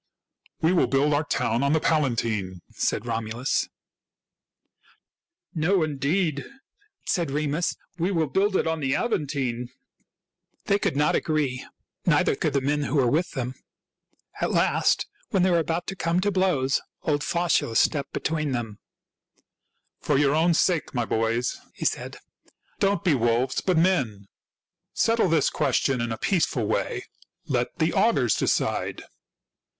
" We will build our town on the Palatine," said Romulus. " No, indeed," said Remus, " we will build it on the Aventine." THIRTY MORE FAM. STO. — 1 3 194 THIRTY MORE FAMOUS STORIES They could not agree ; neither could the men who were with them. At last, when they were about to come to blows, old Faustulus stepped between them. " For your own sakes, my boys," he said, " don't be wolves, but men. Settle this question in a peaceful way. Let the augurs decide."